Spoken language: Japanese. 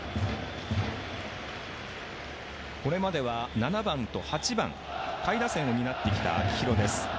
これまでは７番と８番下位打線を担ってきた秋広です。